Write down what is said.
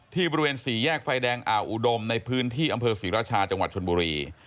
บริเวณสี่แยกไฟแดงอ่าวอุดมในพื้นที่อำเภอศรีราชาจังหวัดชนบุรี